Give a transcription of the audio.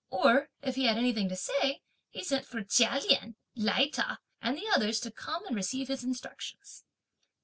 Or if he had anything to say, he sent for Chia Lien, Lai Ta and others to come and receive his instructions.